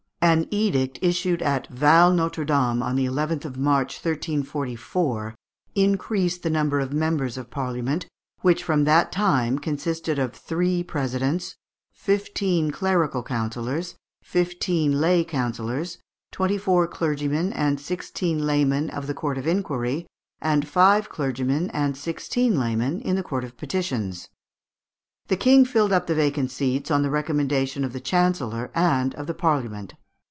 An edict issued at Val Notre Dame on the 11th of March, 1344, increased the number of members of Parliament, which from that time consisted of three presidents, fifteen clerical councillors, fifteen lay councillors, twenty four clergymen and sixteen laymen of the Court of Inquiry, and five clergymen and sixteen laymen of the Court of Petitions. The King filled up the vacant seats on the recommendation of the Chancellor and of the Parliament.